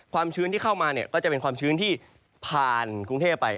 ชื้นที่เข้ามาเนี่ยก็จะเป็นความชื้นที่ผ่านกรุงเทพไป